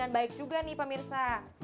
baik juga nih pemirsa